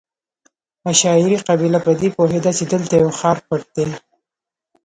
عشایري قبیله په دې پوهېده چې دلته یو ښار پټ دی.